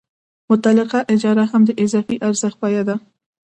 مطلقه اجاره هم د اضافي ارزښت بیه ده